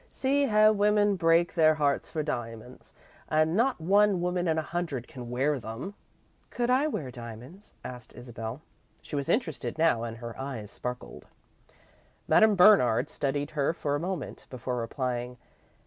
See how women break their hearts for diamonds and not one woman in a hundred can wear them." "Could I wear diamonds?" asked Isabel. She was interested now and her eyes sparkled. Madame Bernard studied her for a moment before replying.